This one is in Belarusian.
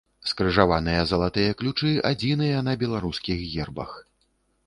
Скрыжаваныя залатыя ключы адзіныя на беларускіх гербах.